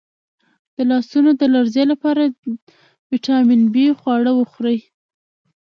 د لاسونو د لرزې لپاره د ویټامین بي خواړه وخورئ